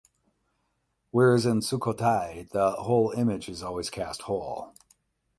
Whereas in Sukhothai the whole image is always cast whole.